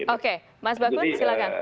oke mas bakun silakan